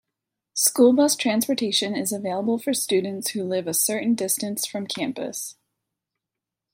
School bus transportation is available for students who live a certain distance from campus.